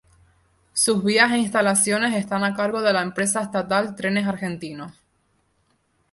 Sus vías e instalaciones están a cargo de la empresa estatal Trenes Argentinos.